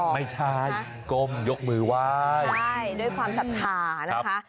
ไม่ใช่ก้มยกมือไหว้ใช่ด้วยความศรัทธานะคะ